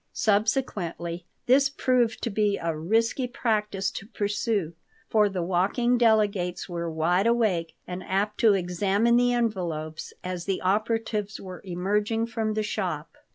Subsequently this proved to be a risky practice to pursue, for the walking delegates were wide awake and apt to examine the envelopes as the operatives were emerging from the shop.